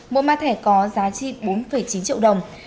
mua mã thẻ có giá trị bốn chín triệu đồng